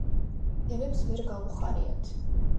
დევებს ვერ გაუხარიათ